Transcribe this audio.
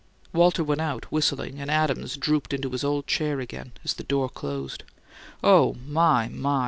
Walter went out, whistling; and Adams drooped into his old chair again as the door closed. "OH, my, my!"